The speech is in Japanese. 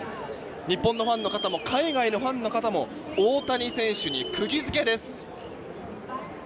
日本のファンの方も海外のファンの方も大谷選手に釘付けです。